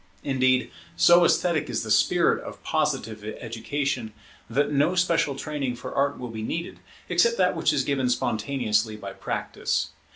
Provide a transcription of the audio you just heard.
Indeed, so esthetic is the spirit of Positive education, that no special training for Art will be needed, except that which is given spontaneously by practice.